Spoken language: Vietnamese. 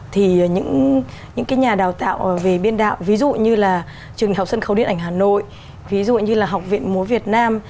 thì những cái nhà đào tạo về biên đạo ví dụ như là trường đại học sân khấu điện ảnh hà nội ví dụ như là học viện múa việt nam